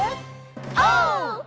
オー！